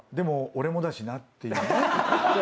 俺もだしな」っていうね。